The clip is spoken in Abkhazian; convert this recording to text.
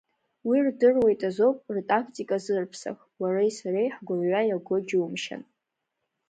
Уи рдыруеит азоуп ртактика зырԥсах, уареи сареи ҳгәырҩа иаго џьумшьан.